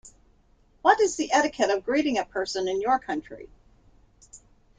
What is the etiquette of greeting a person in your country?